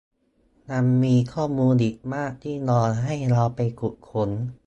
ยังมีข้อมูลอีกมากที่รอให้เราไปขุดค้น